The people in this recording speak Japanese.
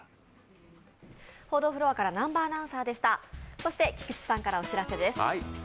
そして菊池さんからお知らせです。